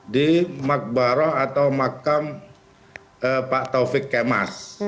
di makbaro atau makan pak taufik kemas